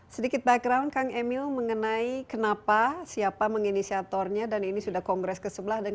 sedikit background kang emil mengenai kenapa siapa menginisiatornya dan ini sudah kongres keselamatan